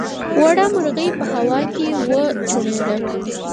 وړه مرغۍ په هوا کې وچوڼېده.